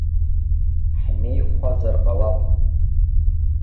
Ҳмеихәазар ҟалап.